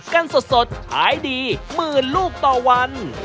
กันสดขายดีหมื่นลูกต่อวัน